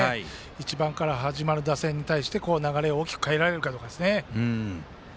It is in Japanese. １番から始まる打線に対して流れを大きく変えられるかどうかですよね。